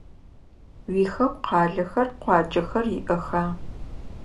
Уихэку къалэхэр, къуаджэхэр иӏэха?